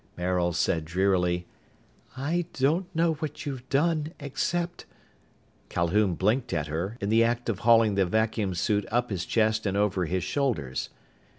Maril said drearily, "I don't know what you've done, except " Calhoun blinked at her, in the act of hauling the vacuum suit up his chest and over his shoulders.